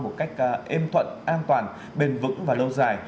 một cách êm thuận an toàn bền vững và lâu dài